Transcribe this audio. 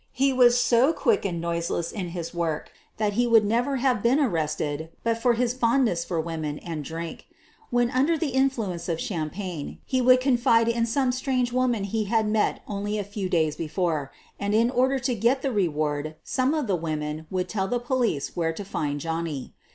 He was so quick and noiseless in his work that he would never have been arrested but for his fondness for women ami drink. When under the influence of champagne he would confide in s.ome strange woman he had met only a few days before, and in order to get the re ward some of the women would tell the police where to find Johnny.